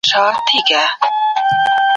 هر څوک نسي کولای بریالی سياستوال واوسي.